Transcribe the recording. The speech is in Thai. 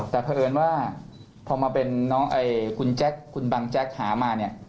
แต่เพราะเอิญว่าพอมาเป็นน้องคุณแจ๊คคุณบังแจ๊กหามาเนี่ย